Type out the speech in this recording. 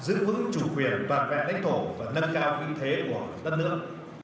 giữ vững chủ quyền toàn vẹn đánh thổ và nâng cao kinh tế của đất nước